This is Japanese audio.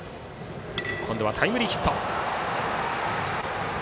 今度はタイムリーヒット。